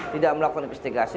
tidak melakukan investigasi